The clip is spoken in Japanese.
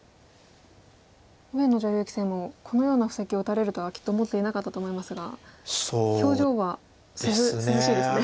上野女流棋聖もこのような布石を打たれるとはきっと思っていなかったと思いますが表情は涼しいですね。